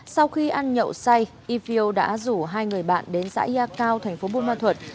sau khi ăn nhậu say ifeo đã rủ hai người bạn đến xã yatio tp bun ma thuật